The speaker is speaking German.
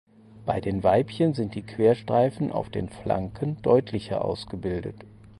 Bei den Weibchen sind die Querstreifen auf den Flanken deutlicher ausgebildet.